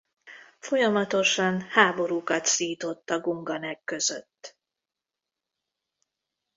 Folyamatosan háborúkat szított a gunganek között.